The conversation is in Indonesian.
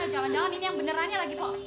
jalan jalan ini yang benerannya lagi pok